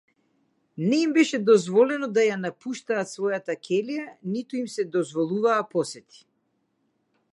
Не им беше дозволено да ја напуштаат својата ќелија, ниту им се дозволуваа посети.